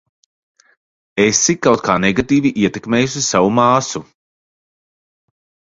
Esi kaut kā negatīvi ietekmējusi savu māsu.